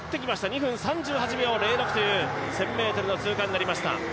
２分３８秒０６という１０００ｍの通過になりました。